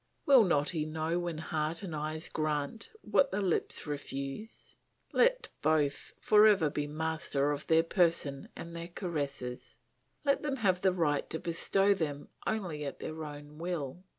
Will not he know when heart and eyes grant what the lips refuse? Let both for ever be master of their person and their caresses, let them have the right to bestow them only at their own will.